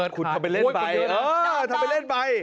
คุณทำเป็นเล่นใบ